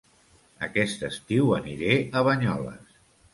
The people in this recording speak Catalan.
Aquest estiu aniré a Banyoles